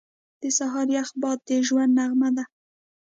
• د سهار یخ باد د ژوند نغمه ده.